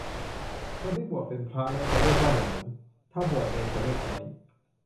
คนที่บวชเป็นพระแล้วจะเรียกว่าหนาน ถ้าบวชเณรจะเรียกน้อย